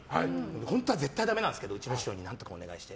本当は絶対ダメなんですけどうちの師匠に何とかお願いして。